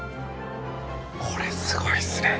これすごいですね。